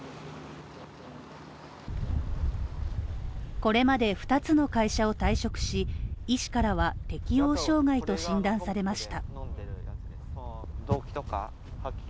これまで二つの会社を退職し、医師からは適応障害と診断されました。